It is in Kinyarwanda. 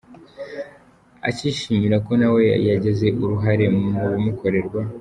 Akishimira ko nawe yagize uruhare mu bimukorerwa.